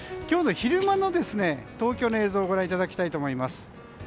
今日の昼間の東京の映像ご覧いただきたいと思います。